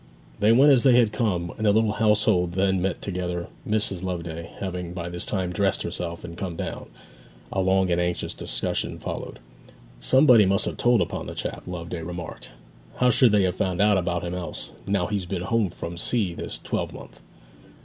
They went as they had come; and the little household then met together, Mrs. Loveday having by this time dressed herself and come down. A long and anxious discussion followed. 'Somebody must have told upon the chap,' Loveday remarked. 'How should they have found him out else, now he's been home from sea this twelvemonth?'